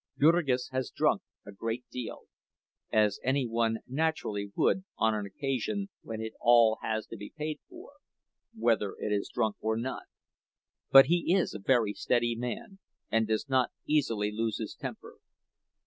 Jurgis has drunk a great deal, as any one naturally would on an occasion when it all has to be paid for, whether it is drunk or not; but he is a very steady man, and does not easily lose his temper.